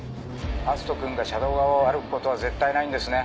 篤斗君が車道側を歩くことは絶対ないんですね？